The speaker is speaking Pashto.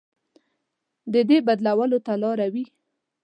د دوی بدلولو ته لاره وي.